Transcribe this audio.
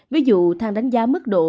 ví dụ tham đánh giá mức độ